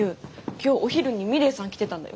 今日お昼にミレイさん来てたんだよ。